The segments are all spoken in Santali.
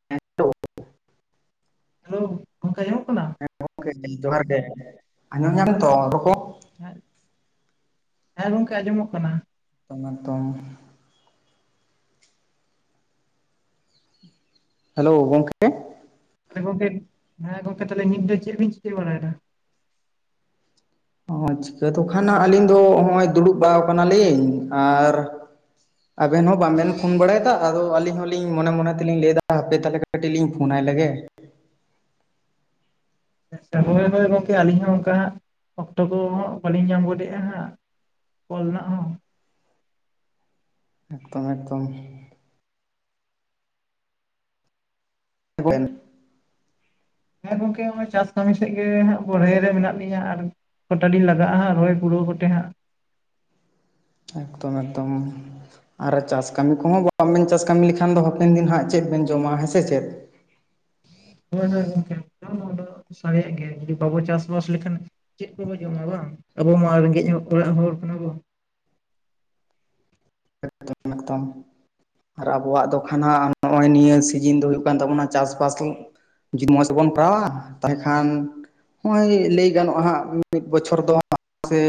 [unintelligible] ᱦᱮᱞᱳ! ᱜᱚᱨᱠᱮ ᱟᱸᱡᱚᱢᱚᱜ ᱠᱟᱱᱟ? ᱦᱮᱸ ᱜᱚᱝᱠᱮ ᱡᱚᱦᱟᱨ ᱜᱮ, ᱟᱸᱡᱚᱢ ᱧᱟᱢ ᱫᱟ ᱛᱚ ᱨᱚᱲ ᱠᱚ? ᱦᱮᱸ ᱦᱮᱸ ᱜᱚᱝᱠᱮ ᱟᱸᱡᱚᱢᱚᱜ ᱠᱟᱱᱟ ᱾ [unintelligible] ᱦᱮᱞᱳ ᱜᱚᱝᱠᱮ ᱛᱟᱦᱚᱞᱮ ᱜᱚᱝᱠᱮ ᱦᱮᱸ ᱜᱚᱝᱠᱮ ᱛᱟᱦᱚᱞᱮ ᱱᱤᱛ ᱫᱚ ᱪᱮᱫ ᱵᱤᱱ ᱪᱤᱠᱟᱹ ᱵᱟᱲᱟᱭᱮᱫᱟ? ᱚ ᱪᱤᱠᱟᱹ ᱫᱚ ᱠᱷᱟᱱ ᱦᱟᱸᱜ ᱟᱞᱤᱧ ᱫᱚ ᱦᱚᱜᱼᱚᱭ ᱫᱩᱲᱩᱵ ᱵᱟᱲᱟ ᱠᱟᱱᱟᱞᱤᱧ ᱾ ᱟᱨ ᱟᱵᱮᱱ ᱦᱚᱸ ᱵᱟᱝᱵᱮᱱ ᱯᱷᱳᱱ ᱵᱟᱲᱟᱭᱮᱫᱟ ᱟᱫᱚ ᱟᱞᱤᱧ ᱦᱚᱸᱞᱤᱧ ᱢᱚᱱᱮ ᱢᱚᱱᱮ ᱛᱮᱞᱤᱧ ᱞᱟᱹᱭ ᱮᱫᱟ ᱦᱟᱯᱮ ᱛᱟᱞᱮ ᱠᱟᱹᱴᱤᱡ ᱞᱤᱧ ᱯᱷᱳᱱᱟᱭ ᱞᱮᱜᱮ ᱾ ᱟᱪᱪᱷᱟ ᱦᱳᱭ ᱦᱳᱭ ᱜᱚᱝᱠᱮ ᱟᱹᱞᱤᱧ ᱦᱚᱸ ᱚᱝᱠᱟ ᱦᱟᱸᱜ ᱚᱠᱛᱚ ᱠᱚ ᱦᱚᱸ ᱵᱟᱹᱞᱤᱧ ᱧᱟᱢ ᱜᱚᱫ ᱮᱜᱼᱟ ᱦᱟᱸᱜ ᱾ ᱠᱚᱞ ᱨᱮᱱᱟᱜ ᱦᱚᱸ ᱾ ᱮᱠᱫᱚᱢ ᱮᱠᱫᱚᱢ ᱾ [unintelligible] ᱦᱮᱸ ᱜᱚᱝᱠᱮ ᱦᱚᱸᱜᱼᱚᱭ ᱪᱟᱥ ᱠᱟᱹᱢᱤ ᱥᱮᱫ ᱜᱮ ᱦᱟᱸᱜ ᱵᱚᱲᱦᱮ ᱨᱮ ᱢᱮᱱᱟᱜ ᱞᱤᱧᱟᱹ ᱾ ᱟᱨ ᱠᱚᱴᱟ ᱞᱤᱧ ᱞᱟᱜᱟᱜᱼᱟ ᱦᱟᱸᱜ ᱨᱚᱦᱚᱭ ᱯᱩᱨᱟᱹᱣ ᱠᱟᱛᱮ ᱦᱟᱸᱜ ᱾ ᱮᱠᱫᱚᱢ ᱮᱠᱫᱚᱢ ᱾ ᱟᱨ ᱪᱟᱥ ᱠᱟᱹᱢᱤ ᱠᱚᱦᱚᱸ ᱵᱟᱝ ᱵᱮᱱ ᱪᱟᱥ ᱠᱟᱹᱢᱤ ᱞᱮᱠᱷᱟᱱ ᱫᱚ ᱦᱟᱯᱮᱱ ᱫᱤᱱ ᱦᱟᱸᱜ ᱪᱮᱫ ᱵᱮᱱ ᱡᱚᱢᱟ ᱦᱮᱸ ᱥᱮ ᱪᱮᱫ? ᱦᱳᱭ ᱦᱳᱭ ᱜᱚᱝᱠᱮ [inaudible] ᱜᱮᱭᱟ ᱡᱩᱫᱤ ᱵᱟᱵᱚ ᱪᱟᱥᱵᱟᱥ ᱞᱮᱠᱷᱟᱱ ᱪᱮᱫ ᱠᱚᱵᱚ ᱡᱚᱢᱟ ᱵᱟᱝ ᱟᱵᱚ ᱢᱟ ᱨᱮᱸᱜᱮᱡ ᱦᱚ ᱚᱲᱟᱜ ᱦᱚᱲ ᱠᱟᱱᱟ ᱵᱚ ᱾ [inaudible] ᱢᱤᱫᱴᱟᱝ ᱾ ᱟᱨ ᱟᱵᱚᱣᱟᱜ ᱫᱚ ᱠᱷᱱᱟᱜ ᱱᱚᱜᱼᱚᱭ ᱱᱤᱭᱟᱹ ᱥᱤᱡᱤᱱ ᱫᱚ ᱦᱩᱭᱩᱜ ᱠᱟᱱ ᱛᱟᱵᱚᱱᱟ ᱪᱟᱥᱵᱟᱥ ᱡᱩᱫᱤ ᱢᱚᱡᱽ ᱛᱮᱵᱚᱱ ᱠᱚᱨᱟᱣᱟ ᱛᱟᱦᱚᱞᱮ ᱠᱷᱟᱱ ᱦᱚᱸᱜᱼᱚᱭ ᱞᱟᱹᱭ ᱜᱟᱱᱚᱜᱼᱟ ᱦᱟᱸᱜᱢ ᱢᱤᱫ ᱵᱚᱪᱷᱚᱨ ᱫᱚ ᱥᱮ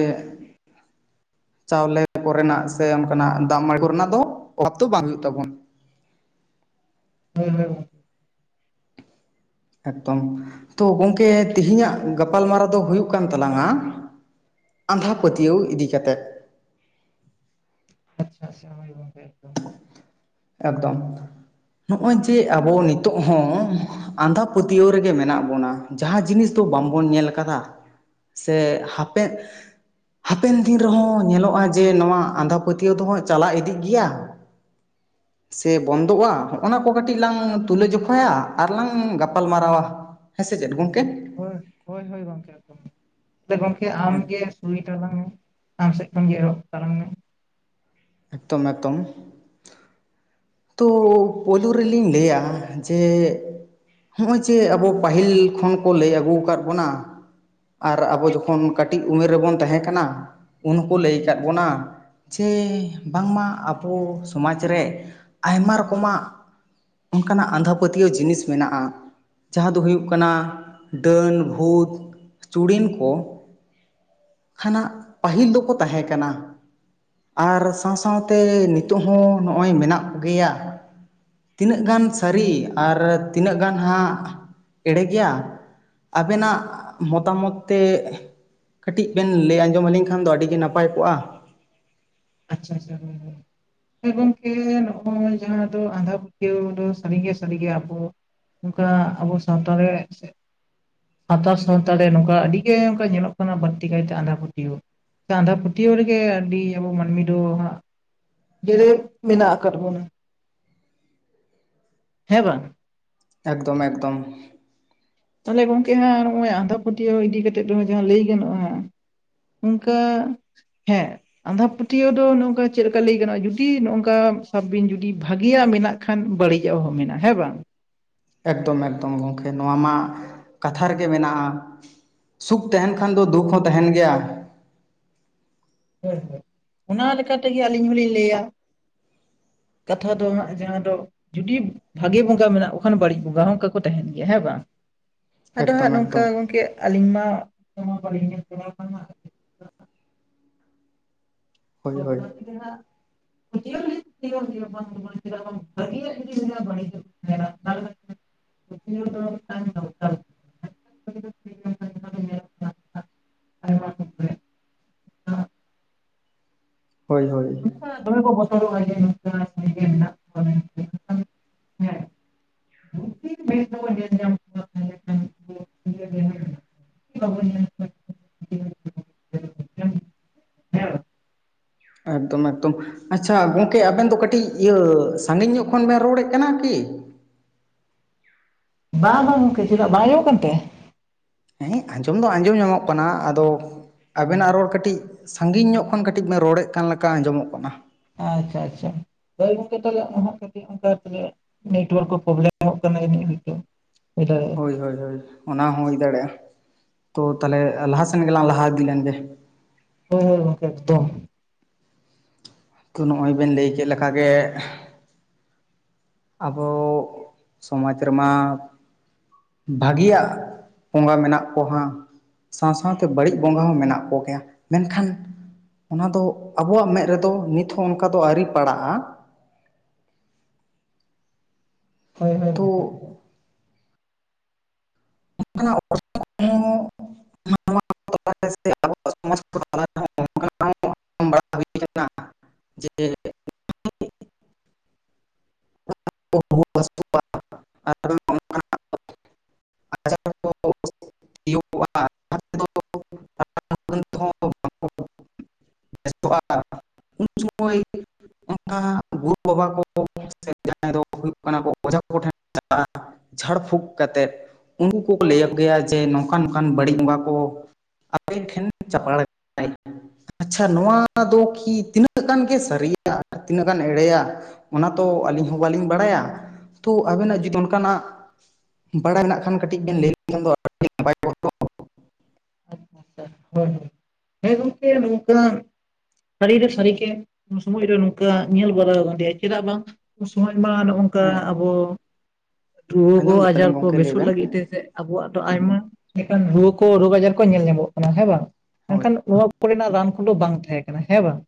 ᱪᱟᱣᱞᱮ ᱠᱚᱨᱮᱱᱟᱜ ᱥᱮ ᱚᱱᱠᱟᱱᱟᱜ ᱫᱟᱜ ᱢᱲᱤ ᱠᱚᱨᱮᱱᱟᱜ ᱫᱚ ᱚᱵᱷᱟᱵᱽ ᱫᱚᱚ ᱵᱟᱝ ᱦᱩᱭᱩᱜ ᱛᱟᱵᱚᱱᱟ ᱾ ᱦᱩᱸ ᱦᱩᱸ ᱾ ᱮᱠᱫᱚᱢ ᱛᱚ ᱜᱚᱢᱠᱮ ᱛᱮᱦᱤᱧᱟᱜ ᱜᱟᱯᱟᱞᱢᱟᱨᱟᱣ ᱫᱚ ᱦᱩᱭᱩᱜ ᱠᱟᱱ ᱛᱟᱞᱟᱝᱼᱟ ᱟᱸᱫᱷᱟ ᱯᱟᱹᱛᱭᱟᱹᱣ ᱤᱫᱤ ᱠᱟᱛᱮᱫ ᱾ [inaudible] ᱮᱠᱫᱚᱢ ᱱᱚᱜᱼᱚᱭ ᱡᱮ ᱟᱵᱚ ᱱᱤᱛᱚᱜ ᱦᱚᱸ ᱾ ᱟᱸᱫᱷᱟᱯᱟᱹᱛᱭᱟᱹᱣ ᱨᱮᱜᱮ ᱢᱮᱱᱟᱜ ᱵᱚᱱᱟ ᱡᱟᱦᱟᱸ ᱡᱤᱱᱤᱥ ᱫᱚ ᱵᱟᱝᱵᱚᱱ ᱧᱮᱞ ᱠᱟᱫᱟ ᱾ ᱥᱮ ᱦᱟᱯᱮᱫ ᱾ ᱦᱟᱯᱮᱱ ᱫᱤᱱ ᱨᱮᱦᱚᱸ ᱧᱮᱞᱚᱜᱼᱟ ᱡᱮ ᱱᱚᱣᱟ ᱟᱸᱫᱷᱟ ᱯᱟᱹᱛᱭᱟᱹᱣ ᱫᱚᱦ ᱪᱟᱞᱟᱣ ᱤᱫᱤᱜ ᱜᱮᱭᱟ ᱾ ᱥᱮ ᱵᱚᱱᱫᱚᱜᱼᱟ ᱦᱚᱜᱼ ᱱᱟ ᱠᱚ ᱠᱟᱹᱴᱤᱡ ᱞᱟᱝ ᱛᱩᱞᱟᱹᱡᱚᱠᱷᱟᱭᱟ ᱟᱨᱞᱟᱟᱝ ᱜᱟᱯᱟᱞ ᱢᱟᱨᱟᱣᱟ ᱾ ᱦᱮᱸ ᱥᱮ ᱪᱮᱫ ᱜᱚᱝᱠ? ᱦᱳᱭ ᱦᱳᱭ ᱦᱳᱭ ᱜᱚᱢᱠᱮ ᱮᱠᱫᱚᱢ ᱟ ᱜᱚᱢᱠᱮ ᱟᱢᱜᱮ ᱦᱩᱭᱩᱭ ᱛᱟᱞᱟᱝ ᱢᱮ ᱟᱢ ᱥᱮᱫ ᱠᱷᱚᱱ ᱜᱮ ᱮᱨᱚᱜ ᱛᱟᱞᱟᱝ ᱢᱮ ᱾ ᱮᱠᱫᱚᱢ ᱮᱠᱫᱚᱢ ᱾ ᱛᱚ ᱯᱳᱭᱞᱳ ᱨᱮᱞᱤᱧ ᱞᱟᱹᱭᱟ ᱡᱮ ᱦᱚᱜᱼᱚᱭ ᱡᱮ ᱟᱵᱚ ᱯᱟᱹᱦᱤᱞ ᱠᱷᱚᱱ ᱠᱚ ᱞᱟᱹᱭ ᱟᱹᱜᱩ ᱟᱠᱟᱫ ᱵᱚᱱᱟ ᱾ ᱟᱨ ᱟᱵᱚ ᱡᱚᱠᱷᱚᱱ ᱠᱟᱹᱴᱤᱡ ᱩᱢᱮᱨ ᱨᱮᱵᱚᱱ ᱛᱟᱦᱮᱸ ᱠᱟᱱᱟ ᱩᱱ ᱦᱚᱸᱠᱚ ᱞᱟᱹᱭ ᱟᱠᱟᱫ ᱵᱚᱱᱟ ᱾ ᱡᱮ, ᱵᱟᱝᱢᱟ ᱟᱵᱚ ᱥᱚᱢᱟᱡᱽ ᱨᱮ, ᱟᱭᱢᱟ ᱨᱚᱠᱚᱢᱟᱜ ᱼᱼ ᱚᱱᱠᱟᱱᱟᱜ ᱟᱸᱫᱷᱟ ᱯᱟᱹᱛᱭᱟᱹᱣ ᱡᱤᱱᱤᱥ ᱢᱮᱱᱟᱜᱼᱟ। ᱡᱟᱦᱟᱸ ᱫᱚ ᱦᱩᱭᱩᱜ ᱠᱟᱱᱟ ᱰᱟᱹᱱ, ᱵᱷᱩᱛ, ᱪᱩᱲᱤᱱ ᱠᱚ। ᱦᱟᱱᱟ ᱯᱟᱹᱦᱤᱞ ᱫᱚᱠᱚ ᱛᱟᱦᱮᱸ ᱠᱟᱱᱟ। ᱟᱨ ᱥᱟᱶ ᱥᱟᱶᱛᱮ ᱱᱤᱛᱚᱜ ᱦᱚᱸ ᱱᱚᱜᱼᱚᱭ ᱢᱮᱱᱟᱜ ᱠᱚ ᱜᱮᱭᱟ। ᱛᱤᱱᱟᱹᱜ ᱜᱟᱱ ᱥᱟᱹᱨᱤ ᱟᱨ ᱛᱤᱱᱟᱹᱜ ᱜᱟᱱ ᱦᱟᱸᱜ ᱮᱲᱮ ᱜᱮᱭᱟ? ᱟᱵᱮᱱᱟᱜ ᱢᱚᱛᱟᱢᱚᱛ ᱛᱮ ᱼᱼ ᱠᱟᱹᱴᱤᱡ ᱵᱮᱱ ᱞᱟᱹᱭ ᱟᱸᱡᱚᱢ ᱟᱹᱞᱤᱧ ᱠᱷᱟᱱ ᱫᱚ ᱟᱹᱰᱤ ᱜᱮ ᱱᱟᱯᱟᱭ ᱠᱚᱜᱼᱟ। ᱟᱪᱪᱷᱟ ᱟᱪᱪᱷᱟᱮᱸ ᱦᱩᱸ ᱦᱩᱸ। ᱦᱮᱸ ᱜᱚᱝᱠᱮ ᱱᱚᱜᱼᱚᱭ ᱡᱟᱦᱟᱸ ᱫᱚ ᱟᱸᱫᱷᱟ ᱯᱟᱹᱛᱭᱟᱹᱣ ᱫᱚ, ᱥᱟᱹᱨᱤ ᱜᱮ ᱥᱟᱹᱨᱤ ᱜᱮ ᱟᱵᱚ ᱼᱼ ᱚᱱᱠᱟ ᱟᱵᱚ ᱥᱟᱶᱛᱟ ᱨᱮ ᱥᱮ ᱼᱼ ᱥᱟᱱᱛᱟᱲ ᱥᱟᱶᱛᱟ ᱨᱮ ᱱᱚᱝᱠᱟ ᱟᱹᱰᱤᱜᱮ ᱚᱱᱠᱟ ᱧᱮᱞᱚᱜ ᱠᱟᱱᱟ ᱵᱟᱹᱲᱛᱤ ᱠᱟᱭᱛᱮ ᱟᱸᱫᱷᱟ ᱯᱟᱹᱛᱭᱟᱹᱣ। ᱥᱮ ᱟᱸᱫᱷᱟ ᱯᱟᱹᱛᱭᱟᱹᱣ ᱨᱮ ᱜᱮ ᱟᱹᱰᱤ ᱟᱵᱚ ᱢᱟᱹᱱᱢᱤ ᱼᱼ ᱦᱟᱸᱜ ᱡᱮ ᱢᱮᱱᱟᱜ ᱟᱠᱟᱫ ᱵᱚᱱᱟ। ᱦᱮᱸ ᱵᱟᱝ? ᱮᱠᱫᱚᱢ ᱮᱠᱫᱚᱢ। ᱛᱟᱦᱚᱞᱮ ᱜᱚᱝᱠᱮ ᱦᱟᱸᱜ ᱟᱨ ᱱᱚᱜᱼᱚᱭ ᱟᱸᱫᱷᱟ ᱯᱟᱹᱛᱭᱟᱹᱣ ᱤᱫᱤ ᱠᱟᱛᱮᱫ ᱫᱚ ᱡᱟᱦᱟᱸ ᱞᱟᱹᱭ ᱜᱟᱱᱚᱜᱼᱟ ᱦᱟᱸᱜ। ᱚᱱᱠᱟ ᱦᱮᱸ। ᱟᱸᱫᱷᱟ ᱯᱟᱹᱛᱭᱟᱹᱣ ᱫᱚ ᱱᱚᱠᱟ ᱪᱮᱫ ᱞᱮᱠᱟ ᱞᱟᱹᱭ ᱜᱟᱱᱚᱜᱼᱟ, ᱡᱩᱫᱤ ᱱᱚᱜᱼᱚᱝᱠᱟ ᱥᱟᱵᱽ ᱵᱤᱱ ᱡᱩᱫᱤ ᱵᱷᱟᱹᱜᱮᱭᱟᱜ ᱢᱮᱱᱟᱜ ᱼᱼ ᱠᱷᱟᱱ ᱵᱟᱹᱲᱤᱡᱟᱜ ᱦᱚᱸ ᱢᱮᱱᱟᱜᱼᱟ। ᱦᱮᱸ ᱵᱟᱝ? ᱮᱠᱫᱚᱢ ᱮᱠᱫᱚᱢ ᱜᱚᱢᱠᱮ ᱱᱚᱣᱟ ᱢᱟ ᱠᱟᱛᱷᱟ ᱨᱮᱜᱮ ᱢᱮᱱᱟᱜᱼᱟ। ᱥᱩᱠᱷ ᱛᱟᱦᱮᱱ ᱠᱷᱟᱱ ᱫᱚ ᱫᱩᱠᱷ ᱦᱚᱸ ᱛᱟᱦᱮᱱ ᱜᱮᱭᱟ। ᱦᱮᱸ ᱦᱮᱸ। ᱚᱱᱟ ᱛᱮᱜᱮ ᱟᱹᱞᱤᱧ ᱦᱚᱞᱤᱧ ᱞᱟᱹᱭᱟ ᱠᱟᱛᱷᱟ ᱫᱚ ᱦᱟᱸᱜ ᱡᱟᱦᱟᱸ ᱫᱚ ᱼᱼ ᱡᱩᱫᱤ ᱵᱷᱟᱜᱤ ᱵᱚᱸᱜᱟ ᱢᱮᱱᱟᱜ ᱠᱚ ᱠᱷᱟᱱ ᱵᱟᱹᱲᱤᱡ ᱵᱚᱸᱜᱟ ᱦᱚᱸ ᱚᱱᱠᱟ ᱠᱚ ᱛᱟᱦᱮᱱ ᱜᱮᱭᱟ ᱦᱮᱸ ᱵᱟᱝ? ᱟᱫᱚ ᱦᱟᱸᱜ ᱮᱠᱫᱚᱢ ᱱᱚᱝᱠᱟ ᱮᱠᱫᱚᱢ ᱜᱚᱢᱠᱮ ᱟᱹᱞᱤᱧ ᱢᱟ ᱚᱱᱠᱟ ᱢᱟ [unintelligible] ᱦᱳᱭ ᱛᱚ ᱦᱳᱭ ᱚᱱᱟ ᱛᱮᱜᱮ ᱦᱟᱸᱜ [inaudible] ᱯᱟᱹᱛᱭᱟᱹᱣ ᱫᱚᱞᱤᱧ ᱯᱟᱹᱛᱭᱟᱹᱣᱟᱜ ᱜᱮᱭᱟ ᱵᱟᱝ ᱫᱚ ᱵᱟᱝ ᱪᱮᱫᱟᱜ ᱵᱟᱝ ᱵᱷᱟᱜᱮᱭᱟᱜ ᱡᱩᱫᱤ ᱛᱟᱦᱮᱱᱟ ᱵᱟᱹᱲᱤᱡᱟᱜ ᱦᱚᱸ ᱛᱟᱦᱮᱱᱟ ᱾ ᱯᱟᱹᱛᱭᱟᱹᱣ ᱫᱚ ᱛᱟᱦᱮᱱ ᱫᱚᱨᱠᱟᱨ ᱜᱮ। [inaudible] [unintelligible] ᱟᱭᱢᱟ ᱚᱱᱠᱟ ᱦᱳᱭ ᱦᱳᱭ ᱾ ᱚᱱᱠᱟ ᱫᱚᱢᱮ ᱠᱚ ᱵᱚᱛᱚᱨᱚᱜ-ᱟ ᱡᱮ ᱱᱚᱝᱠᱟ [unintelligible] ᱜᱮ ᱦᱮᱱᱟᱜ ᱠᱚᱣᱟ ᱢᱮᱱᱛᱮ ᱾ ᱡᱩᱫᱤ ᱢᱮᱫ ᱛᱮᱵᱚᱱ ᱧᱮᱞ ᱧᱟᱢ ᱠᱚᱣᱟ ᱛᱟᱦᱚᱞᱮ ᱠᱷᱟᱱ ᱵᱟᱵᱚᱱ ᱧᱮᱞ ᱠᱚᱣᱟ ᱦᱮᱸ ᱮᱠᱫᱚᱢ ᱮᱠᱫᱚᱢ ᱾ ᱟᱪᱪᱷᱟ ᱜᱚᱝᱠᱮ ᱟᱵᱮᱱ ᱫᱚ ᱠᱟᱹᱴᱤᱡ ᱤᱭᱟᱹ ᱥᱟᱺᱜᱤᱧ ᱧᱚᱜ ᱠᱷᱚᱱ ᱵᱮᱱ ᱨᱚᱲᱮᱜ ᱠᱟᱱᱟ ᱠᱤ? ᱵᱟᱝ ᱵᱟᱝ ᱜᱚᱝᱠᱮ, ᱪᱮᱫᱟᱜ ᱵᱟᱝ ᱟᱸᱡᱚᱢᱚᱜ ᱠᱟᱱ ᱛᱮ? ᱦᱮᱸ ᱟᱸᱡᱚᱢ ᱫᱚ ᱟᱸᱡᱚᱢ ᱧᱟᱢᱚᱜ ᱠᱟᱱᱟ᱾ ᱟᱫᱚ ᱟᱵᱮᱱᱟᱜ ᱨᱚᱲ ᱠᱟᱹᱴᱤᱡ ᱥᱟᱺᱜᱤᱧ ᱧᱚᱜ ᱠᱷᱚᱱ ᱠᱟᱹᱴᱤᱡ ᱵᱮᱱ ᱨᱚᱲᱮᱫ ᱠᱟᱱ ᱞᱮᱠᱟ ᱟᱸᱡᱚᱢᱚᱜ ᱠᱟᱱᱟ ᱾ ᱟᱪᱪᱷᱟ ᱟᱪᱪᱷᱟ ᱾ ᱦᱳᱭ ᱜᱚᱝᱠᱮ ᱛᱟᱦᱟᱞᱮ ᱚᱦᱚᱸᱜ ᱠᱟᱹᱴᱤᱡ ᱚᱱᱠᱟ ᱛᱚᱵᱮ ᱱᱮᱴᱣᱟᱨᱠ ᱠᱚ ᱯᱨᱚᱵᱞᱮᱢᱚᱜ ᱠᱟᱱᱟ ᱡᱟᱹᱱᱤᱡ ᱦᱳᱭ ᱛᱚ ᱾ ᱦᱳᱭ ᱦᱳᱭ ᱦᱳᱭ ᱚᱱᱟ ᱦᱚᱸ ᱦᱩᱭ ᱫᱟᱲᱮᱭᱟᱜ-ᱟ ᱾ ᱛᱚ ᱛᱟᱦᱟᱞᱮ ᱞᱟᱦᱟ ᱥᱮᱱ ᱜᱮᱞᱟᱝ ᱞᱟᱦᱟ ᱤᱫᱤ ᱞᱮᱱ ᱜᱮ ᱾ ᱦᱳᱭ ᱦᱳᱭ ᱜᱚᱝᱠᱮ ᱮᱠᱫᱚᱢ ᱾ ᱛᱚ ᱱᱚᱜ-ᱚᱭ ᱵᱮᱱ ᱞᱟᱹᱭ ᱠᱮᱫ ᱞᱮᱠᱟ ᱜᱮ ᱟᱵᱚ [inaudible] ᱥᱚᱢᱟᱡᱽ ᱨᱮᱢᱟ ᱵᱷᱟᱹᱜᱤᱭᱟᱜ [inaudible] ᱵᱚᱸᱜᱟ ᱢᱮᱱᱟᱜ ᱠᱚ ᱦᱟᱜ ᱥᱟᱶ ᱥᱟᱶᱛᱮ ᱵᱟᱹᱲᱤᱡ ᱵᱚᱸᱜᱟ ᱦᱚᱸ ᱢᱮᱱᱟᱜ ᱠᱚᱜᱮᱭᱟ ᱢᱮᱱᱠᱷᱟᱱ ᱚᱱᱟ ᱫᱚ ᱟᱵᱚᱣᱟᱜ ᱢᱮᱫ ᱨᱮᱫᱚ ᱱᱤᱛ ᱦᱚᱸ ᱚᱱᱠᱟ ᱫᱚ ᱟᱹᱣᱨᱤ ᱯᱟᱲᱟᱜ-ᱟ ᱾ ᱦᱳᱭ ᱦᱳᱭ ᱛᱚ ᱜᱚᱝᱠᱮ ᱾ [unintelligible] [unintelligible] [unintelligible] [unintelligible] [unintelligible] ᱵᱟᱠᱚ ᱵᱮᱥᱚᱜ-ᱟ ᱩᱱ ᱥᱚᱢᱚᱭ ᱚᱱᱠᱟ ᱜᱩᱨᱩ ᱵᱟᱵᱟ ᱠᱚ ᱥᱮ ᱡᱟᱦᱟᱸᱭ ᱫᱚ ᱦᱩᱭᱩᱜ ᱠᱟᱱᱟ ᱠᱚ ᱚᱡᱷᱟ ᱠᱚᱴᱷᱮᱱ ᱪᱟᱞᱟᱜ-ᱟ ᱾ ᱡᱷᱟᱲ ᱯᱷᱩᱸᱠ ᱠᱟᱛᱮᱫ ᱩᱱᱠᱩ ᱠᱚᱠᱚ ᱞᱟᱹᱭ ᱟᱠᱚ ᱜᱮᱭᱟ ᱡᱮ ᱱᱚᱝᱠᱟᱱ ᱱᱚᱝᱠᱟᱱ ᱵᱟᱹᱲᱤᱡ ᱵᱚᱸᱜᱟ ᱠᱚ ᱟᱵᱮᱱ ᱴᱷᱮᱱ ᱪᱟᱯᱟᱲ‌ ᱢᱮᱱᱟᱭᱟ ᱾ ᱟᱪᱪᱷᱟ ᱱᱚᱣᱟ ᱫᱚ ᱠᱤ ᱛᱤᱱᱟᱹᱜ ᱜᱟᱱ ᱜᱮ ᱥᱟᱹᱨᱤᱭᱟ ᱛᱤᱱᱟᱹᱜ ᱜᱟᱱ ᱮᱲᱮᱭᱟ ᱾ ᱚᱱᱟ ᱛᱚ ᱟᱹᱞᱤᱧ ᱦᱚᱸ ᱵᱟᱹᱞᱤᱧ ᱵᱟᱲᱟᱭᱟ ᱛᱚ ᱟᱵᱤᱱᱟᱜ ᱡᱩᱫᱤ ᱚᱱᱠᱟᱱᱟᱜ ᱵᱟᱲᱟᱭ ᱢᱮᱱᱟᱜ ᱠᱷᱟᱱ ᱠᱟᱹᱴᱤᱡ ᱵᱮᱱ ᱞᱟᱹᱭ ᱞᱮᱠᱷᱟᱱ ᱫᱚ ᱟᱹᱰᱤ ᱱᱟᱯᱟᱭ‌ ᱠᱚᱜ-ᱟ ᱛᱚ ᱾ ᱟᱪᱪᱷᱟ ᱟᱪᱪᱷᱟ ᱾ ᱦᱳᱭ ᱦᱳᱭ ᱦᱮᱸ ᱜᱚᱝᱠᱮ ᱱᱚᱝᱠᱟ ᱥᱟᱹᱨᱤ ᱫᱚ ᱥᱟᱹᱨᱤ ᱜᱮ ᱩᱱ ᱥᱚᱢᱚᱭ ᱨᱮ ᱱᱚᱝᱠᱟ ᱧᱮᱞ ᱵᱟᱲᱟ ᱟᱠᱟᱫᱮᱭᱟ ᱪᱮᱫᱟᱜ ᱵᱟᱝ ᱩᱱ ᱥᱚᱢᱚᱭ ᱢᱟ ᱱᱚᱜ ᱱᱚᱝᱠᱟ ᱦᱮᱸ ᱟᱵᱚ [inaudible] ᱨᱩᱣᱟᱹ ᱠᱚ ᱟᱸᱡᱚᱢ ᱟᱡᱟᱨ ᱫᱟᱞᱤᱧ ᱠᱚ ᱜᱚᱝᱠᱮ ᱞᱟᱹᱭ ᱵᱮᱥᱚᱜ ᱵᱮᱱ ᱞᱟᱹᱜᱤᱫ ᱛᱮ ᱛᱮᱜ ᱟᱵᱚᱣᱟᱜ ᱫᱚ ᱟᱭᱢᱟ ᱞᱮᱠᱟᱱ ᱨᱩᱣᱟᱹ ᱠᱚ ᱨᱳᱜᱽ ᱟᱡᱟᱨ ᱠᱚ ᱧᱮᱞ ᱧᱟᱢᱚᱜ ᱠᱟᱱᱟ ᱦᱮᱸ ᱵᱟᱝ ᱦᱳᱭ ᱢᱮᱱᱠᱷᱟᱱ ᱱᱚᱣᱟ ᱠᱚᱨᱮᱱᱟᱜ ᱨᱟᱱ ᱠᱚᱫᱚ ᱵᱟᱝ ᱛᱟᱦᱮᱸ ᱠᱟᱱᱟ ᱦᱮᱸ ᱵᱟᱝ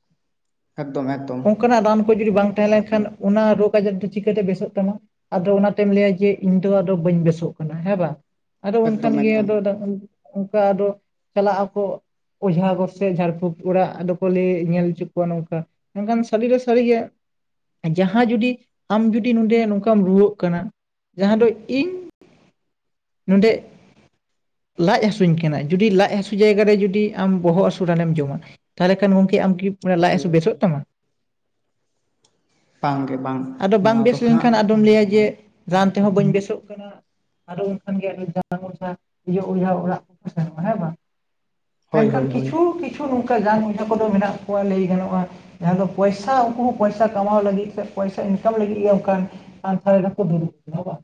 ᱾ ᱮᱠᱫᱚᱢ ᱮᱠᱫᱚᱢ [inaudible] ᱚᱱᱠᱟᱱᱟᱜ ᱨᱟᱱ ᱠᱩ ᱡᱩᱫᱤ ᱵᱟᱝ ᱛᱟᱦᱮᱸ ᱞᱮᱱᱠᱷᱟᱱ ᱚᱱᱟ ᱨᱳᱜᱽ ᱟᱡᱟᱨ ᱫᱚ ᱪᱤᱠᱟᱹᱛᱮ ᱵᱮᱥᱚᱜ ᱛᱟᱢᱟ? ᱟᱫᱚ ᱚᱱᱟᱛᱮᱢ ᱞᱟᱹᱭᱟ ᱡᱮ ᱤᱧ ᱫᱚ ᱟᱫᱚ ᱵᱟᱹᱧ ᱵᱮᱥᱚᱜ ᱠᱟᱱᱟ ᱦᱮᱸ ᱵᱟᱝ ᱟᱫᱚ ᱩᱱᱠᱷᱟᱱ ᱮᱠᱫᱚᱢ ᱜᱮ ᱮᱠᱫᱚᱢ ᱟᱫᱚ ᱠᱟ ᱟᱫᱚ ᱪᱟᱞᱟᱜ ᱟᱠᱚ ᱚᱡᱷᱟ ᱜᱚᱥᱮ ᱡᱷᱟᱲ ᱯᱷᱩᱰ ᱚᱲᱟᱜ ᱫᱚᱠᱚ ᱞᱟᱹᱭ ᱧᱮᱞ ᱦᱚᱪᱚ ᱠᱚᱣᱟ ᱱᱚᱝᱠᱟ᱾ ᱢᱮᱱᱠᱷᱟᱱ ᱥᱟᱹᱨᱤ ᱫᱚ ᱥᱟᱹᱨᱤ ᱜᱮ᱾ ᱡᱟᱦᱟᱸ ᱡᱩᱫᱤ ᱟᱢ ᱡᱩᱚᱫᱤ ᱱᱚᱰᱮ ᱱᱚᱝᱠᱟᱢ ᱨᱩᱣᱟᱹᱜ ᱠᱟᱱᱟ ᱡᱟᱦᱟᱸ ᱫᱚ ᱤᱧ ᱱᱚᱰᱮ ᱞᱟᱡ ᱦᱟᱥᱩ ᱦᱟᱹᱥᱩᱧ ᱠᱟᱱᱟ ᱡᱩᱫᱤ ᱞᱟᱡ ᱦᱥᱩ ᱡᱟᱭᱜᱟ ᱨᱮ ᱡᱩᱫᱤ ᱟᱢ ᱵᱚᱦᱚᱜ ᱦᱟᱹᱥᱩ ᱨᱟᱱᱮᱢ ᱡᱚᱢᱟ, ᱛᱟᱦᱚᱞᱮ ᱠᱷᱟᱱ ᱜᱚᱢᱠᱮ ᱟᱢ ᱠᱤ ᱢᱟᱱᱮ ᱞᱟᱡ ᱦᱳᱭ ᱦᱥᱩ ᱵᱮᱥᱚᱜ ᱛᱟᱢᱟ᱾ ᱵᱟᱝ ᱜᱮ ᱵᱟᱝ ᱟᱫᱚ ᱵᱟᱝ ᱱᱚᱣᱟ ᱵᱮᱥ ᱫᱚ ᱦᱟᱸᱜ ᱞᱮᱱᱠᱷᱟᱱ ᱟᱫᱚᱢ ᱞᱟᱹᱭᱟ ᱡᱮ ᱨᱟᱱ ᱛᱮᱦᱚᱸ ᱵᱟᱹᱧ ᱵᱮᱥᱚᱜ ᱠᱟᱱᱟ᱾ ᱟᱫᱚ ᱩᱱᱚᱱᱠᱷᱟᱱ ᱜᱮ [unintelligible] ᱚᱡᱷᱟ ᱚᱲᱟᱜ᱾ [unintelligible] ᱦᱮᱸ ᱵᱟᱝ᱾ ᱦᱳᱭ ᱢᱮᱱᱠᱷᱟᱱ ᱦᱳᱭ ᱦᱳᱭ ᱠᱤᱪᱷᱩ ᱠᱤᱪᱷ ᱪᱷᱩ ᱱᱚᱝᱠᱟ ᱡᱟᱱ ᱡᱚ ᱠᱚᱫᱚ ᱢᱮᱱᱟᱜ ᱠᱚᱣᱟ ᱞᱟᱹᱭ ᱜᱟᱱᱚᱜ-ᱟ᱾ ᱡᱟᱦᱟᱸ ᱫᱚ ᱯᱚᱭᱥᱟ ᱩᱱᱠᱩ ᱦᱚᱸ ᱯᱚᱭᱥᱟ ᱠᱟᱢᱟᱣ ᱞᱟᱹᱜᱤᱫ ᱥᱮ ᱯᱚᱭᱥᱟ ᱤᱱᱠᱟᱢ ᱞᱟᱹᱜᱤᱫ ᱜᱮ ᱚᱱᱠᱟᱱ [unintelligible] ᱨᱮ ᱠᱚ ᱫᱩᱲᱩᱵ ᱟᱠᱟᱱᱟ ᱵᱟᱝ᱾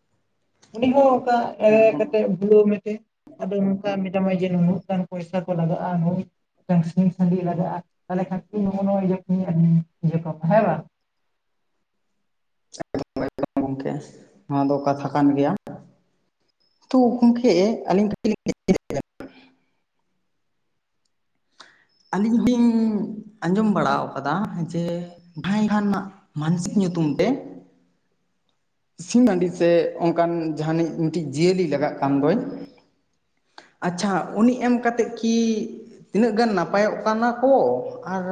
ᱩᱱᱤ ᱦᱚᱸ ᱚᱱᱠᱟ ᱮᱲᱮ ᱠᱟᱛᱮ ᱵᱷᱩᱞᱟᱹᱣ ᱢᱮᱛᱮ ᱟᱫᱚ ᱱᱚᱝᱠᱟ ᱢᱮᱛᱟᱢᱟᱭ ᱡᱮ ᱱᱩᱱᱟᱹᱜ ᱜᱟᱱ ᱯᱚᱭᱥᱟ ᱠᱚ ᱞᱟᱜᱟᱜᱼᱟ ᱦᱳ᱾ ᱢᱤᱫᱴᱟᱝ ᱥᱤᱢ ᱥᱟᱺᱰᱤ ᱞᱟᱜᱟᱜᱼᱟ᱾ ᱛᱟᱦᱚᱞᱮ ᱠᱷᱟᱱ [unintelligible] ᱦᱮᱸᱵᱟᱝ᱾ [unintelligible] ᱜᱚᱝᱠᱮ ᱱᱚᱣᱟ ᱠᱟᱛᱷᱟ ᱜᱮᱭᱟ᱾ ᱛᱩ ᱜᱚᱝᱠᱮ ᱟᱹᱞᱤᱧ ᱠᱟᱴᱤᱡᱞᱤᱧ ᱞᱟᱹᱭ ᱟᱹᱞᱤᱧ ᱦᱚᱞᱤᱧ ᱟᱸᱡᱚᱢ ᱵᱟᱲᱟᱣ ᱟᱠᱟᱫᱟ ᱡᱮ [inaudible] ᱠᱷᱟᱱ ᱨᱮᱱᱟᱜ ᱢᱟᱱᱥᱤᱠ ᱧᱩᱛᱩᱢ ᱛᱮ᱾ ᱥᱤᱢ ᱦᱟᱺᱰᱤ ᱥᱮ ᱚᱱᱠᱟᱱ ᱡᱟᱦᱟᱱᱤᱡ ᱢᱤᱫᱴᱤᱡ ᱡᱤᱭᱟᱹᱞᱤ ᱞᱟᱜᱟᱜ ᱠᱟᱱ ᱫᱚᱭ᱾ ᱟᱪᱪᱷᱟ ᱩᱱᱤ ᱮᱢ ᱠᱟᱛᱮᱫ ᱠᱤ ᱛᱤᱱᱟᱹᱜ ᱜᱟᱱ ᱱᱟᱯ ᱯᱟᱭᱚᱜ ᱠᱟᱱᱟ ᱠᱚ ᱟᱨ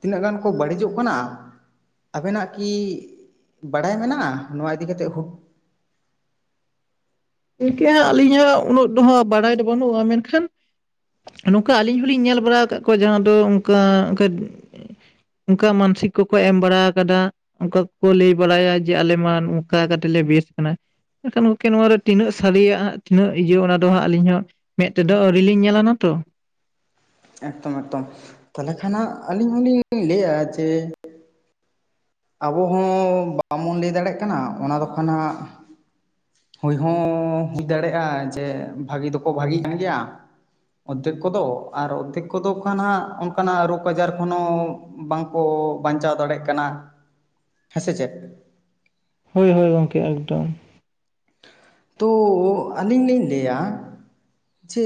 ᱛᱤᱱᱟᱹᱜ ᱜᱟᱱ ᱠᱚ ᱵᱟᱹᱲᱤᱡᱚᱜ ᱠᱟᱱᱟ᱾ ᱟᱵᱮᱱᱟᱜ ᱠᱤ ᱵᱟᱲᱟᱭ ᱢᱮᱱᱟᱜ-ᱟ ᱱᱚᱣᱟ ᱤᱫᱤ ᱠᱟᱛᱮ ᱦᱳ? ᱤᱱᱠᱟᱹ ᱦᱟᱸᱜ ᱟᱹᱞᱤᱧ ᱦᱟᱸ ᱩᱱᱟᱹᱜ ᱫᱚ ᱦᱟᱸᱜ ᱵᱟᱲᱟᱭ ᱫᱚ ᱵᱟᱹᱱᱩᱜ-ᱟ᱾ ᱢᱮᱱᱠᱷᱟᱱ ᱱᱚᱝᱠᱟ ᱟᱹᱞᱤᱧ ᱦᱚᱸᱞᱤᱧ ᱧᱮᱞ ᱵᱟᱲᱟᱣ ᱟᱠᱟᱫ ᱠᱚᱣᱟ ᱡᱟᱦᱟᱸ ᱫᱚ ᱚᱱᱠᱟ ᱚᱝᱠᱟ ᱚᱱᱠᱟ ᱢᱟᱱᱥᱤᱠ ᱠᱚᱠᱚ ᱮᱢ ᱵᱟᱲᱟ ᱟᱠᱟᱫᱟ᱾ ᱚᱱᱠᱟ ᱠᱚᱠᱚ ᱞᱟᱹᱭ ᱵᱟᱲᱟᱭᱟ ᱡᱮ ᱟᱞᱮ ᱢᱟ ᱱᱚᱝᱠᱟ ᱠᱟᱭᱮᱞᱮ ᱞᱮ ᱵᱮᱥ ᱠᱟᱱᱟ᱾ ᱢᱮᱱᱠᱷᱟᱱ ᱜᱚᱢᱠᱮ ᱱᱚᱣᱟ‌ᱨᱮ ᱛᱤᱱᱟᱹᱜ ᱥᱟᱹᱨᱤᱭᱟᱜ ᱦᱟᱸᱜ ᱛᱤᱱᱟᱹᱜ ᱤᱭᱟᱹ ᱚᱱᱟ ᱫᱚ ᱦᱟᱸᱜ ᱟᱹᱞᱤᱧ ᱦᱚᱸ ᱢᱮᱫ ᱛᱮᱫᱚ ᱟᱹᱣᱨᱤ ᱞᱤᱧ ᱧᱮᱞᱟᱱᱟ ᱛᱚ᱾ ᱮᱠᱫᱚᱢ ᱮᱠᱫᱚᱢ ᱛᱟᱦᱚᱞᱮ ᱠᱷᱟᱱ ᱟᱹᱞᱤᱧ ᱦᱚᱸᱞᱤᱧ ᱞᱟᱹᱭᱮᱫᱼᱟ ᱡᱮ ᱟᱵᱚ ᱦᱚᱸ ᱵᱟᱵᱚᱱ ᱞᱟᱹᱭ ᱫᱟᱲᱮᱭᱟᱜ ᱠᱟᱱᱟ ᱚᱱᱟ ᱫᱚ ᱠᱷᱚᱱ ᱦᱟᱸᱜ ᱦᱳᱭ ᱦᱚᱸ ᱦᱩᱭ ᱫᱟᱲᱮᱜ-ᱟ ᱡᱮ ᱵᱷᱟᱹᱜᱤ ᱫᱚᱠᱚ ᱵᱷᱟᱹᱜᱤ ᱠᱟᱱ ᱜᱮᱭᱟ᱾ ᱚᱨᱫᱷᱮᱠ ᱠᱚᱫᱚ ᱟᱨ ᱚᱨᱫᱷᱮᱠ ᱠᱚᱫᱚ ᱠᱷᱟᱱ ᱦᱟᱸᱜ ᱚᱱᱠᱟᱱᱟᱜ ᱨᱳᱜᱽ ᱟᱡᱟᱨ ᱠᱷᱚᱱ ᱦᱚᱸ ᱵᱟᱝᱠᱚ ᱵᱟᱧᱪᱟᱣ ᱫᱟᱲᱮᱜ ᱠᱟᱱᱟ᱾ ᱦᱮᱸ ᱥᱮ ᱪᱮᱫ? ᱦᱳᱭ ᱦᱳᱭ ᱜᱚᱢᱠᱮ ᱮᱠᱫᱚᱢ᱾ ᱛᱚ ᱟᱹᱞᱤᱧ ᱞᱤᱧ ᱞᱟᱹᱭᱟ ᱡᱮ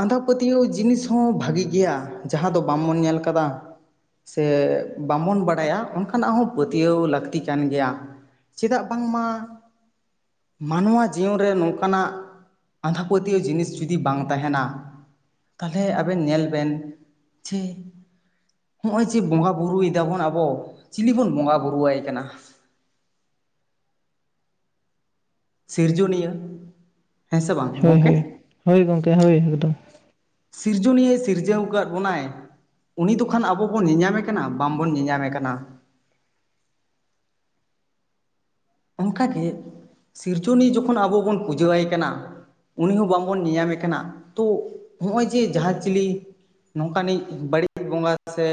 ᱟᱸᱫᱷᱟ ᱯᱟᱹᱛᱭᱟᱹᱣ ᱡᱤᱱᱤᱥ ᱦᱚᱸ ᱵᱷᱟᱹᱜᱤ ᱜᱮᱭᱟ ᱡᱟᱦᱟᱸ ᱫᱚ ᱵᱟᱵᱚᱱ ᱧᱮᱞ ᱠᱟᱫᱟ᱾ ᱥᱮ ᱵᱟᱵᱚᱱ ᱵᱟᱲᱟᱭᱟ ᱚᱱᱠᱟᱱᱟᱜ ᱦᱚᱸ ᱯᱟᱹᱛᱭᱟᱹᱣ ᱞᱟᱹᱠᱛᱤ ᱠᱟᱱ ᱜᱮᱭᱟ᱾ ᱪᱮᱫᱟᱜ ᱵᱟᱝᱢᱟ ᱢᱟᱱᱣᱟ ᱡᱤᱭᱚᱱ ᱨᱮ ᱱᱚᱝᱠᱟᱱᱟᱜ ᱟᱸᱫᱷᱟᱯᱟᱹᱛᱭᱟᱹᱣ ᱡᱤᱱᱤᱥ ᱡᱩᱫᱤ ᱵᱟᱝ ᱛᱟᱦᱮᱱᱟ ᱛᱟᱦᱚᱞᱮ ᱟᱵᱮᱱ ᱧᱮᱞ ᱵᱮᱱ ᱡᱮ ᱦᱚᱜ-ᱚᱸᱭ ᱡᱮ ᱵᱚᱸᱜᱟ ᱵᱩᱨᱩᱭ ᱫᱟᱵᱚᱱ ᱟᱵᱚ᱾ ᱪᱤᱞᱤ ᱵᱚᱱ ᱵᱚᱸᱜᱟ ᱵᱩᱨᱩᱳᱣᱟᱭ ᱠᱟᱱᱟ? ᱥᱤᱨᱡᱚᱱᱤᱭᱟᱹ᱾ ᱦᱮᱸ ᱥᱮ ᱵᱟᱝ ᱦᱳᱭ ᱜᱚᱢᱠᱮ ᱦᱩᱭ ᱦᱳᱭ ᱜᱚᱢᱠᱮ ᱦᱳᱭ ᱮᱠᱫᱚᱢ᱾ ᱥᱤᱨᱡᱚᱱᱤᱭᱟᱹᱭ ᱥᱤᱨᱡᱟᱹᱣ ᱟᱠᱟᱫ ᱵᱚᱱᱟᱭ᱾ ᱩᱱᱤ ᱫᱚᱠᱷᱟᱱ ᱟᱵᱚ ᱵᱚᱱ ᱧᱮᱧᱟᱢᱮ ᱠᱟᱱᱟ᱾ ᱵᱟᱝᱵᱚᱱ ᱧᱮᱧᱟᱢᱮ ᱠᱟᱱᱟ᱾ ᱚᱱᱠᱟᱜᱮ ᱥᱤᱨᱡᱚᱱᱤ ᱡᱚᱠᱷᱚᱱ ᱟᱵᱚ ᱵᱚᱱ ᱯᱩᱡᱟᱹᱟᱭ ᱠᱟᱱᱟ ᱾ ᱩᱱᱤ ᱦᱚᱸ ᱵᱟᱝᱵᱚᱱ ᱧᱮᱞᱧᱟᱢᱮ ᱠᱟᱱᱟ ᱛᱚ ᱱᱚᱜᱼᱚᱭ ᱡᱮ ᱡᱟᱦᱟᱸ ᱪᱤᱞᱤ ᱱᱚᱝᱠᱟᱱᱤᱡ ᱵᱟᱹᱲᱤᱡ ᱵᱚᱸᱜᱟ ᱥᱮ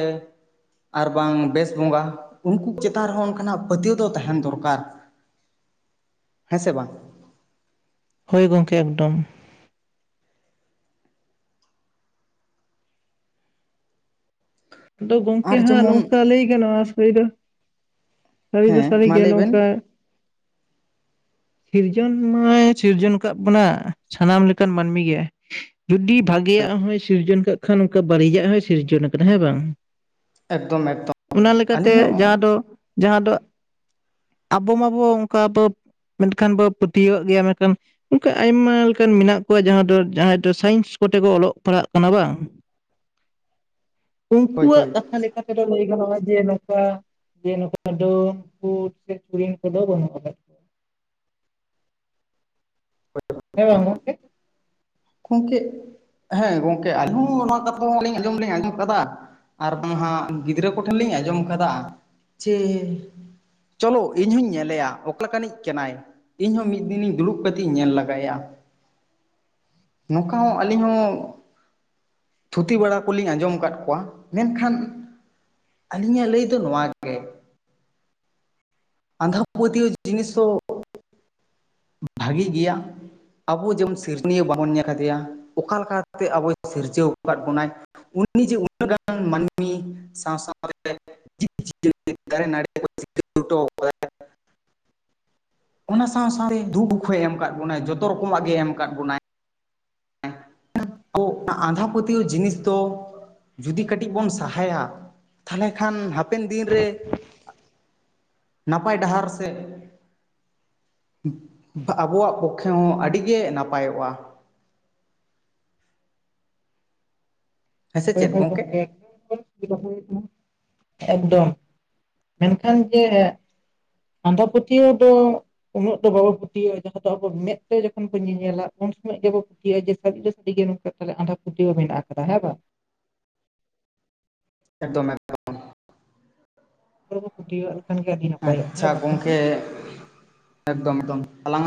ᱟᱨ ᱵᱟᱝ ᱵᱮᱥ ᱵᱚᱸᱜᱟ ᱩᱱᱠᱩ ᱪᱮᱛᱟᱱ ᱨᱮᱦᱚᱸ ᱚᱱᱠᱟᱱᱟᱜ ᱯᱟᱹᱛᱭᱟᱹᱣ ᱫᱚ ᱛᱟᱦᱮᱱ ᱫᱚᱨᱠᱟᱨ᱾ ᱦᱮᱸ ᱥᱮ ᱵᱟᱝ? ᱦᱳᱭ ᱜᱚᱢᱠᱮ ᱮᱠᱫᱚᱢ᱾ ᱟᱫᱚ ᱜᱚᱝᱠᱮ ᱟᱨ ᱦᱟᱸᱜ ᱡᱮᱢᱚᱱ ᱱᱚᱝᱠᱟ ᱞᱟᱹᱭ ᱜᱟᱱᱚᱜ-ᱟ [unintelligible] ᱫᱚ ᱥᱟᱹᱨᱤ ᱫᱚ ᱦᱮᱸ ᱥᱟᱹᱨᱤ ᱢᱟ ᱜᱮ ᱞᱟᱹᱭ ᱵᱮᱱ ᱱᱚᱝᱠᱟ ᱥᱤᱨᱡᱚᱱ ᱢᱟᱭ ᱥᱤᱨᱡᱚᱱ ᱠᱟᱜ ᱵᱚᱱᱟ, ᱥᱟᱱᱟᱢ ᱞᱮᱠᱟᱱ ᱢᱟᱹᱱᱢᱤ ᱜᱮ ᱡᱩᱫᱤ ᱦᱳᱭ ᱵᱷᱟᱜᱮᱹᱭᱟᱜ ᱦᱚᱸᱭ ᱥᱤᱨᱡᱚᱱ ᱠᱟᱜ ᱠᱷᱟᱱ ᱚᱱᱠᱟ ᱵᱟᱹᱲᱤᱡᱟᱜ ᱦᱚᱸᱭ ᱥᱤᱨᱡᱚᱱ ᱟᱠᱟᱫᱟ ᱦᱮᱸ ᱵᱟᱝ? ᱮᱠᱫᱚᱢ ᱮᱠᱫᱚᱢ ᱚᱱᱟ ᱞᱮᱠᱟᱛᱮ ᱟᱹᱞᱤᱧ ᱦᱚᱸ ᱡᱟᱦᱟᱸ ᱫᱚ ᱡᱟᱦᱟᱸ ᱫᱚ ᱟᱵᱚ ᱢᱟᱵᱚ ᱚᱱᱠᱟ ᱵᱚ ᱢᱮᱱᱠᱷᱟᱱ ᱵᱚ ᱯᱟᱹᱛᱭᱟᱹᱣ ᱟᱜ ᱜᱮᱭᱟ ᱢᱮᱱᱠᱷᱟᱱ ᱚᱱᱠᱟ ᱟᱭᱢᱟ ᱞᱮᱠᱟᱱ ᱢᱮᱱᱟᱜ ᱠᱚᱣᱟ ᱡᱟᱦᱟᱸ ᱫᱚ ᱡᱟᱦᱟᱸᱭ ᱫᱚ ᱥᱟᱭᱮᱱᱥ ᱠᱚᱛᱮ ᱠᱚ ᱚᱞᱚᱜ ᱯᱟᱲᱦᱟᱜ ᱠᱟᱱᱟ ᱵᱟᱝ [inaudible] ᱦᱳᱭ ᱩᱱᱠᱩᱣᱟᱜ ᱦᱳᱭ ᱠᱟᱛᱷᱟ ᱞᱮᱠᱟ ᱛᱮᱫᱚ ᱞᱟᱹᱭ ᱜᱟᱱᱚᱜᱼᱟ ᱡᱮ ᱱᱚᱝᱠᱟ ᱡᱮ ᱱᱚᱝᱠᱟ ᱟᱫᱚᱠᱚ ᱥᱮ [unintelligible] ᱠᱚᱫᱚ ᱵᱟᱹᱱᱩᱜ ᱟᱠᱟᱫ ᱠᱚᱣᱟ ᱦᱮᱸ ᱵᱟᱝ ᱜᱚᱢᱠᱮ ᱜᱚᱢᱠᱮ, ᱦᱮᱸ ᱜᱚᱢᱠᱮ ᱟᱞᱤᱧᱦᱚᱸ ᱚᱱᱟ ᱠᱟᱛᱷᱟ ᱢᱟᱞᱤᱧ ᱟᱸᱡᱚᱢ ᱞᱤᱧ ᱟᱸᱡᱚᱢ ᱠᱟᱫᱟ᱾ ᱟᱨ ᱵᱟᱝ ᱦᱟᱸᱜ ᱜᱤᱫᱽᱨᱟᱹ ᱠᱚᱴᱷᱮᱱ ᱞᱤᱧ ᱟᱸᱡᱚᱢ ᱟᱠᱟᱫᱟ ᱪᱮ ᱪᱚᱞᱚ ᱤᱧ ᱦᱚᱸᱧ ᱧᱮᱞᱮᱭᱟ ᱚᱠᱟ ᱞᱮᱠᱟᱱᱤᱡ ᱠᱟᱱᱟᱭ ᱤᱧ ᱦᱚᱸ ᱢᱤᱫ ᱫᱤᱱᱤᱧ ᱫᱩᱲᱩᱵ ᱠᱟᱛᱮᱜ ᱤᱧ ᱧᱮᱞ ᱞᱮᱜᱟᱭᱟ᱾ ᱱᱚᱝᱠᱟ ᱦᱚᱸ ᱟᱹᱞᱤᱧ ᱦᱚᱸ ᱛᱷᱩᱛᱤ ᱵᱟᱲᱟ ᱠᱚᱞᱤᱧ ᱟᱸᱡᱚᱢ ᱟᱠᱟᱫ ᱠᱚᱣᱟ᱾ ᱢᱮᱱᱠᱷᱟᱱ ᱟᱹᱞᱤᱧᱟᱜ ᱞᱟᱹᱭ ᱫᱚ ᱱᱚᱣᱟ ᱜᱮ ᱟᱸᱫᱷᱟ ᱯᱟᱹᱛᱭᱟᱹᱣ ᱡᱤᱱᱤᱥ ᱫᱚ [inaudible] ᱵᱷᱟᱜᱤ ᱜᱮᱭᱟ᱾ ᱟᱵᱚ ᱡᱮᱢᱚᱱ ᱥᱤᱨᱡᱚᱱᱤᱭᱟᱹ ᱵᱟᱵᱚᱱ ᱧᱮᱞ ᱠᱟᱫᱮᱭᱟ ᱚᱠᱟ ᱞᱮᱠᱟᱛᱮ ᱟᱵᱚᱭ ᱥᱤᱨᱡᱟᱹᱣ ᱟᱠᱟᱫ ᱵᱚᱱᱟᱭ᱾ ᱩᱱᱤ ᱡᱮ ᱩᱱᱟᱹᱜ ᱜᱟᱱ ᱢᱟᱹᱱᱢᱤ ᱥᱟᱶ ᱥᱟᱶᱛᱮ [unintelligible] ᱚᱱᱟ ᱥᱟᱶ ᱥᱟᱶᱛᱮ ᱫᱩᱠ ᱦᱚᱸᱭ ᱮᱢ ᱟᱠᱟᱫ ᱵᱚᱱᱟᱭ ᱡᱚᱛᱚ ᱨᱚᱠᱚᱢᱟᱜ ᱜᱮ ᱮᱢ ᱟᱠᱟᱫ ᱵᱚᱱᱟᱭ ᱾ ᱟᱵᱚ [unintelligible] ᱟᱸᱫᱷᱟ ᱯᱟᱹᱛᱭᱟᱹᱣ ᱡᱤᱱᱤᱥ ᱫᱚ ᱡᱩᱫᱤ ᱠᱟᱹᱴᱤᱡ ᱵᱚᱱ ᱥᱟᱦᱟᱭᱟ ᱛᱟᱦᱞᱮ ᱠᱷᱟᱱ ᱦᱟᱯᱮᱱ ᱫᱤᱱᱨᱮ ᱱᱟᱯᱟᱭ ᱰᱟᱦᱟᱨ ᱥᱮᱫ ᱟᱵᱚᱣᱟᱜ ᱯᱚᱠᱠᱷᱮ ᱦᱚᱸ ᱟᱹᱰᱤ ᱜᱮ ᱱᱟᱯᱟᱭᱚᱜᱼᱟ᱾ ᱦᱮᱸ ᱥᱮ [unintelligible] ᱪᱮᱫ ᱜᱚᱝᱠᱮ [unintelligible] ᱮᱠᱫᱚᱢ, ᱢᱮᱱᱠᱷᱟᱱ ᱡᱮ ᱟᱸᱫᱷᱟ ᱯᱟᱹᱛᱭᱟᱹᱣ ᱫᱚ ᱩᱱᱟᱹᱜ ᱫᱚ ᱵᱟᱵᱚ ᱯᱟᱹᱛᱭᱟᱹᱣᱼᱟ ᱡᱟᱦᱟᱸ ᱫᱚ ᱟᱵᱚ ᱢᱮᱫ ᱛᱮ ᱡᱚᱠᱷᱚᱱ ᱵᱚᱱ ᱧᱮᱧᱮᱞᱟ ᱩᱱ ᱥᱚᱢᱚᱭ ᱜᱮᱵᱚ ᱯᱟᱹᱛᱭᱟᱹᱜᱼᱟ ᱡᱮ ᱥᱟᱹᱨᱤ ᱜᱮ ᱟᱸᱫᱷᱟ ᱯᱟᱹᱛᱭᱟᱹᱣ ᱦᱮᱱᱟᱜ ᱠᱟᱫᱟ ᱦᱮᱸ ᱵᱟᱝ᱾ ᱮᱠᱫᱚᱢ ᱮᱠᱫᱚᱢ ᱟᱪᱪᱷᱟ [unintelligible] ᱜᱚᱝᱠᱮ ᱮᱠᱫᱚᱢ ᱮᱠᱫᱚᱢ ᱟᱞᱟᱝᱟᱜ